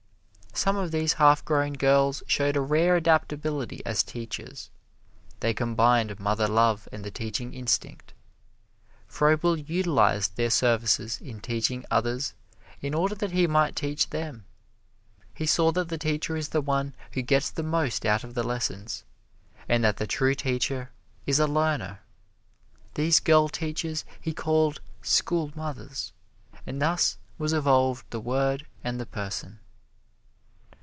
Some of these half grown girls showed a rare adaptability as teachers. They combined mother love and the teaching instinct. Froebel utilized their services in teaching others in order that he might teach them. He saw that the teacher is the one who gets the most out of the lessons, and that the true teacher is a learner. These girl teachers he called school mothers, and thus was evolved the word and the person.